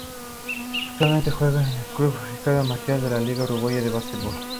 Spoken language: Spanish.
Actualmente juega en el club Hebraica y Maccabi de la Liga Uruguaya de Básquetbol.